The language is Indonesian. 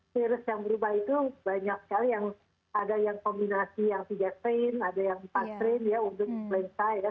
virus yang berubah itu banyak sekali yang ada yang kombinasi yang tiga train ada yang empat train ya untuk influenza ya